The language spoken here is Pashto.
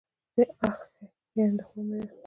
اخښی، يعني د خور مېړه.